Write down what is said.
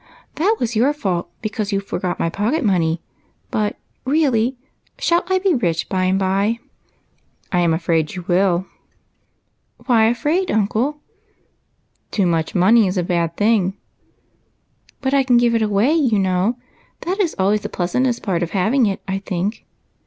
" That was your fault, because you forgot my pocket money. But, really, shall I be rich by and by ?"" I am afraid you will." " Why afraid, uncle ?"" Too much money is a bad thing." " But I can give it away, you know ; that is always the pleasantest part of having it, I think."